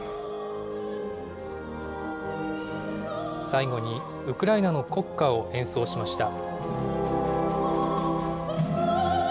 最後に、ウクライナの国歌を演奏しました。